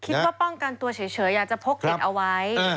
คิดว่าป้องกันตัวเฉยอยากพกเอกไว้